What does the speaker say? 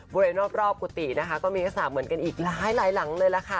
บริเวณรอบกับกุฏีก็มีอาวุธเหมือนกันอีกหลายหลังเลย